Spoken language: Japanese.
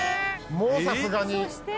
もうさすがに。